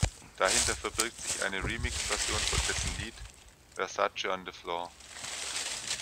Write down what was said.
Dahinter verbirgt sich eine Remixversion von dessen Lied "Versace on the Floor".